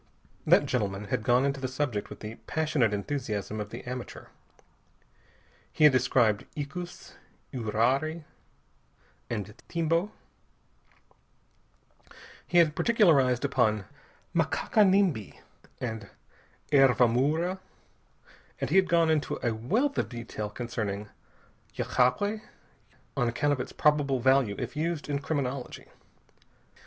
That gentleman had gone into the subject with the passionate enthusiasm of the amateur. He had described icus, uirari and timbo. He had particularized upon makaka nimbi and hervamoura. And he had gone into a wealth of detail concerning yagué, on account of its probable value if used in criminology.